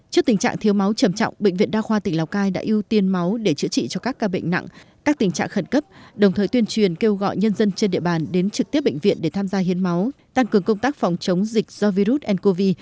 trước tình trạng thiếu máu trầm trọng bệnh viện đa khoa tỉnh lào cai đã ưu tiên máu để chữa trị cho các ca bệnh nặng các tình trạng khẩn cấp đồng thời tuyên truyền kêu gọi nhân dân trên địa bàn đến trực tiếp bệnh viện để tham gia hiến máu tăng cường công tác phòng chống dịch do virus ncov bảo đảm an toàn cho người bệnh cũng như người dân tham gia hiến máu